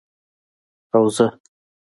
او زه،